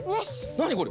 なにこれ？